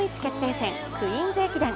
戦クイーンズ駅伝。